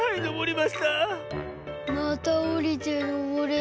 またおりてのぼれ。